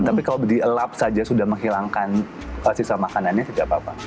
tapi kalau dielap saja sudah menghilangkan sisa makanannya tidak apa apa